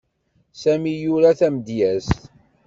Sami yura tamedyezt.